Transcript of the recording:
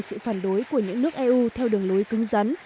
sự phản đối của những nước eu theo đường lối cứng rắn